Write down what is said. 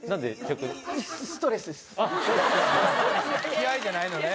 気合じゃないのね。